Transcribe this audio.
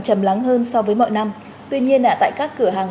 truyền thông năm tuy nhiên tại các cửa hàng